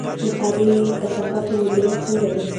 د ښاري کثافاتو مدیریت څنګه دی؟